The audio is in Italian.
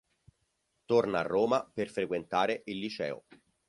Torna a Roma per frequentare il liceo.